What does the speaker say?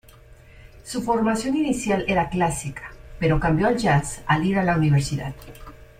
Su formación inicial era clásica, pero cambió al jazz al ir a la universidad.